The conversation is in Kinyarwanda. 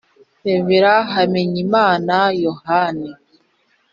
Rev hamenyimana yohani